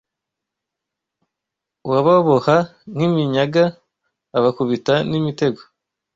Wababoha nk'iminyaga Ubakubita n'imitego